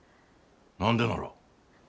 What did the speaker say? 何でなら。